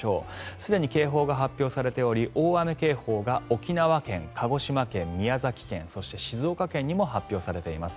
すでに警報が発表されており大雨警報が沖縄県、鹿児島県、宮崎県そして静岡県にも発表されています。